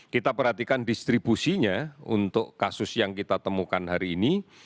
kita perhatikan distribusinya untuk kasus yang kita temukan hari ini